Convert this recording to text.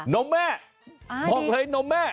นมแม่บอกเฮ้ยนมแม่